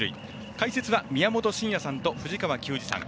解説は宮本慎也さんと藤川球児さん。